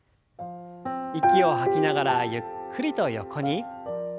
息を吐きながらゆっくりと横に。